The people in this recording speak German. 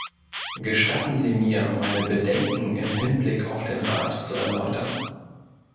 Gestatten Sie mir, meine Bedenken im Hinblick auf den Rat zu erläutern.